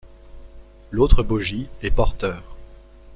L'autre bogie est porteur.